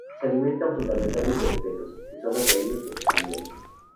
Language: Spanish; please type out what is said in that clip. Se alimenta fundamentalmente de peces, que son atraídos por su señuelo.